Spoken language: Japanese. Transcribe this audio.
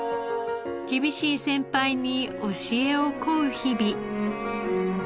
厳しい先輩に教えを乞う日々。